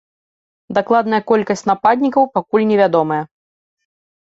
Дакладная колькасць нападнікаў пакуль не вядомая.